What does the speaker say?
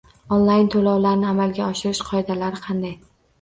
Onlayn to‘lovlarni amalga oshirish qoidalari qanday?